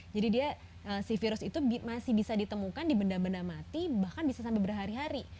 dia si virus itu masih bisa ditemukan di benda benda mati bahkan bisa sampai berhari hari